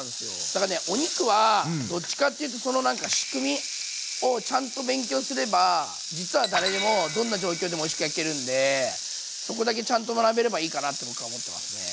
だからねお肉はどっちかっていうとそのなんか仕組みをちゃんと勉強すれば実は誰でもどんな状況でもおいしく焼けるんでそこだけちゃんと学べればいいかなって僕は思ってますね。